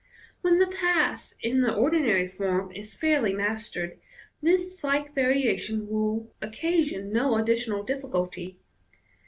When the pass in the ordinary form is fairly mastered, this slight variation will occasion no additional difficulty.